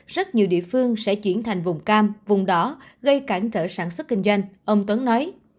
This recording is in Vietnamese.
rất nhiều địa phương sẽ chuyển thành vùng cam vùng đó gây cản trở sản xuất kinh doanh ông tuấn nói